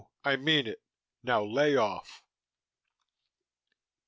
I mean it. Now lay off.